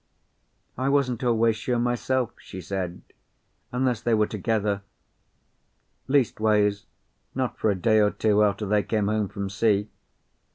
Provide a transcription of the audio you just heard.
"I wasn't always sure myself," she said, "unless they were together. Leastways, not for a day or two after they came home from sea.